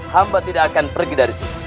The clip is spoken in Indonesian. hamba tidak akan pergi dari sini